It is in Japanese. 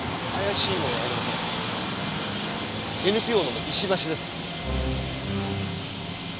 ＮＰＯの石橋です。